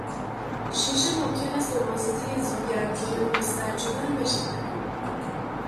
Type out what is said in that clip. شیشه ممکن است به واسطهی زود گرم شدن یا سرد شدن بشکند.